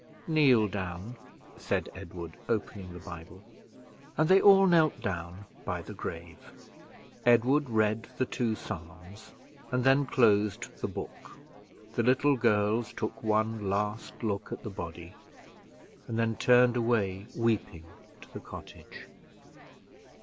"Kneel down," said Edward, opening the Bible. And they all knelt down by the grave. Edward read the two Psalms, and then closed the book. The little girls took one last look at the body, and then turned away weeping to the cottage.